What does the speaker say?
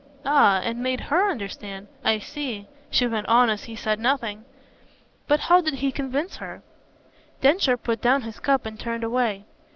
"Ah, and made HER understand? I see," she went on as he said nothing. "But how did he convince her?" Densher put down his cup and turned away.